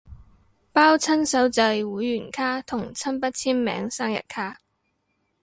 包親手製會員卡同親筆簽名生日卡